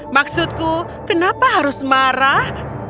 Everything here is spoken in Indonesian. maksudku kenapa harus marah